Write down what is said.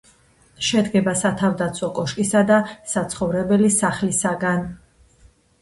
შედგება სათავდაცვო კოშკისა და საცხოვრებელი სახლისაგან.